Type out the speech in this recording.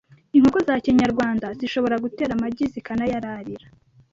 inkoko za kinyarwanda zishobora gutera amagi zikanayararira